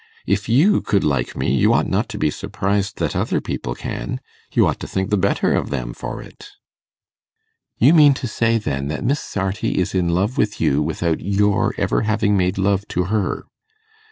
If you could like me, you ought not to be surprised that other people can; you ought to think the better of them for it.' 'You mean to say, then, that Miss Sarti is in love with you, without your ever having made love to her.